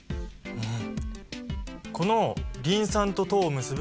うん。